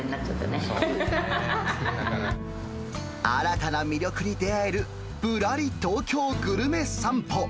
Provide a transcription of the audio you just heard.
新たな魅力に出会えるぶらり東京グルメ散歩。